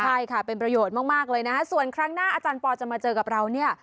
ใช่ค่ะเป็นประโยชน์มากเลยนะฮะส่วนครั้งหน้าอาจารย์ปอลจะมาเจอกับเราเนี่ย